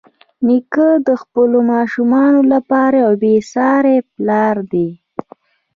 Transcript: نیکه د خپلو ماشومانو لپاره یو بېساري پلار دی.